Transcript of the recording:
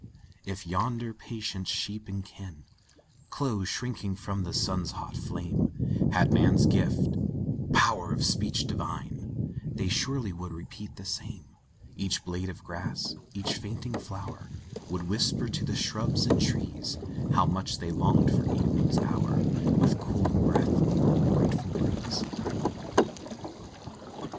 If yonder patient sheep and kine, Close shrinking from the sun's hot flame, Had man's gift "power of speech divine," They surely would repeat the same Each blade of grass, each fainting flower, Would whisper to the shrubs and trees, How much they longed for evening's hour, With cooling breath and grateful breeze.